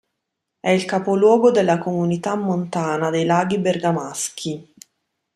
È il capoluogo della Comunità Montana dei Laghi Bergamaschi.